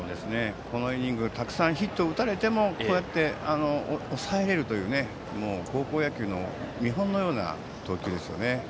このイニングたくさんヒットを打たれても抑えられるという高校野球の見本のような投球です。